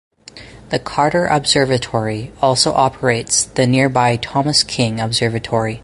The Carter Observatory also operates the nearby Thomas King Observatory.